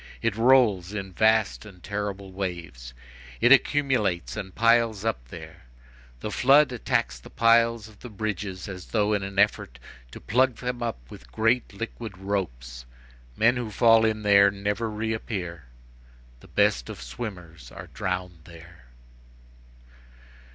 It rolls in vast and terrible waves; it accumulates and piles up there; the flood attacks the piles of the bridges as though in an effort to pluck them up with great liquid ropes. Men who fall in there never reappear; the best of swimmers are drowned there.